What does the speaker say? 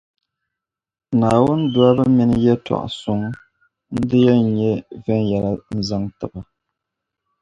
Naawuni dolibu mini yεltɔɣa suŋ, n-di yɛn nyɛ viɛnyɛla n zaŋ ti ba.